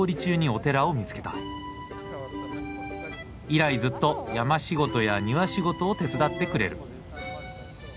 以来ずっと山仕事や庭仕事を手伝ってくれる。